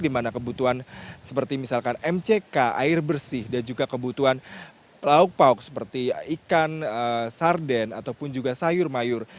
di mana kebutuhan seperti misalkan mck air bersih dan juga kebutuhan lauk pauk seperti ikan sarden ataupun juga sayur mayur